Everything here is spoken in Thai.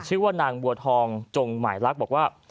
ชื่อว่านางบัวทองจงหมายลักษณ์บอกว่า